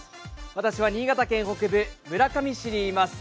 私は新潟県北部村上市にいます。